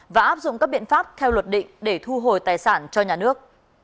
và áp dụng các biện pháp theo luật định để thu hồi tài sản cho nhà nước